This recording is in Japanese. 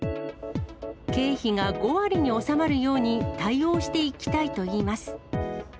経費が５割に収まるように対応していきたいといいます。